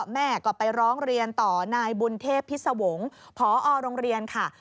แม่ก็ไปร้องเรียนต่อนายบุญเทพพิษวงศ์พอโรงเรียนค่ะ